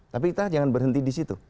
tapi kita jangan berhenti di situ